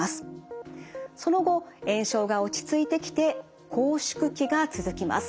その後炎症が落ち着いてきて拘縮期が続きます。